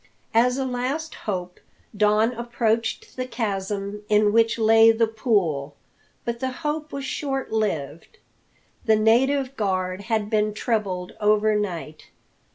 As a last hope Don approached the chasm in which lay the pool. But the hope was short lived. The native guard had been trebled overnight.